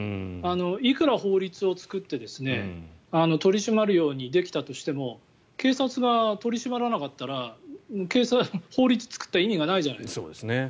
いくら法律を作って取り締まるようにできたとしても警察が取り締まらなかったら法律を作った意味がないじゃないですか。